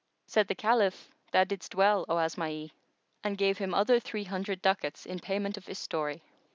Said the Caliph, "Thou didst well, O Asma'i." and gave him other three hundred ducats in payment of his story.